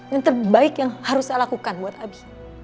yang terbaik yang harus saya lakukan buat abi